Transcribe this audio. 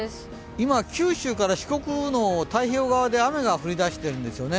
今九州から四国の太平洋側で雨が降り始めてるんですよね。